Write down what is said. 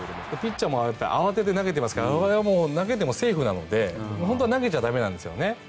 ピッチャーも慌てて投げていますからあれは投げてもセーフなので本当は投げちゃ駄目なんですよね。